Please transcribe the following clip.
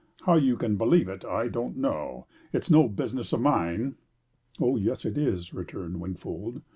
How you can believe it, I don't know, and it's no business of mine." "Oh yes, it is!" returned Wingfold.